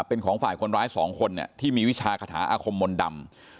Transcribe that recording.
เป็นของฝ่ายคนร้ายสองคนเนี่ยที่มีวิชาคาถาอาคมมนต์ดำ